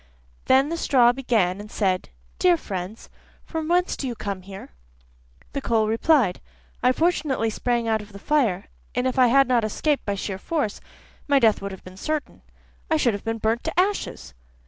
Then the straw began and said: 'Dear friends, from whence do you come here?' The coal replied: 'I fortunately sprang out of the fire, and if I had not escaped by sheer force, my death would have been certain, I should have been burnt to ashes.